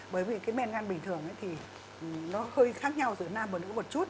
bởi vì cái mẹn gan bình thường thì nó hơi khác nhau giữa nam và nữ một chút